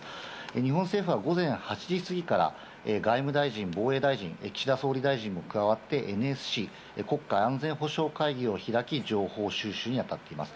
日本政府は午前８時過ぎから外務大臣、防衛大臣、岸田総理大臣も加わって、ＮＳＣ＝国家安全保障会議を開き、情報収集にあたっています。